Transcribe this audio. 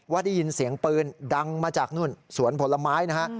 ได้ยินเสียงปืนดังมาจากนู่นสวนผลไม้นะฮะ